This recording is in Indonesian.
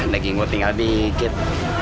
daging gua tinggal dikit